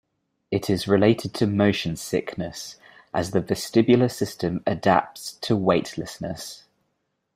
It is related to motion sickness, as the vestibular system adapts to weightlessness.